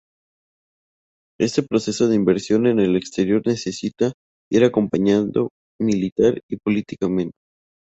Este proceso de inversión en el exterior necesita ir acompañado militar y políticamente.